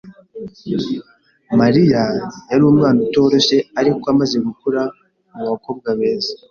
Mariya yari umwana utoroshye, ariko amaze gukura mubakobwa beza.